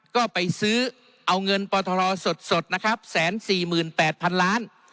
ก็ไปซื้อเอาเงินปททสดนะครับแสนสี่หมื่นแปดพันล้าน